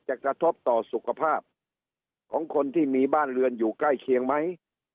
กระทบต่อสุขภาพของคนที่มีบ้านเรือนอยู่ใกล้เคียงไหม